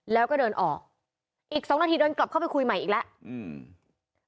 แล้วก็เดินออกอีกสองนาทีเดินกลับเข้าไปคุยใหม่อีกแล้วอืม